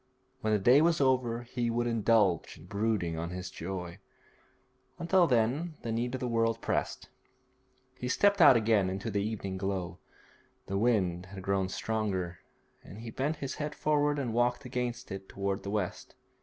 When the day was over he would indulge in brooding on his joy; until then the need of the world pressed. He stepped out again into the evening glow. The wind had grown stronger, and he bent his head forward and walked against it towards the west.